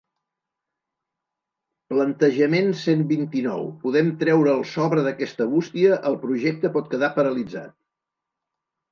Plantejament cent vint-i-nou podem treure el sobre d'aquesta bústia el projecte pot quedar paralitzat.